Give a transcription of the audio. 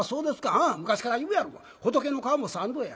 「ああ昔から言うやろが『仏の顔も三度』や」。